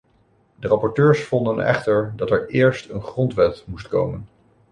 De rapporteurs vonden echter dat er eerst een grondwet moest komen.